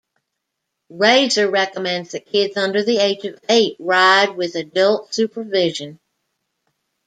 Razor recommends that kids under the age of eight ride with adult supervision.